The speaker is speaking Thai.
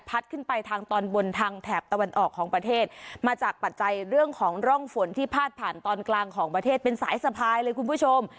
ขึ้นไปทางตอนบนทางแถบตะวันออกของประเทศมาจากปัจจัยเรื่องของร่องฝนที่พาดผ่านตอนกลางของประเทศเป็นสายสะพายเลยคุณผู้ชม